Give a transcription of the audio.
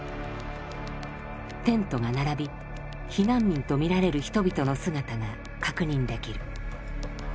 テントが並び避難民と見られる人々の姿が確認できる。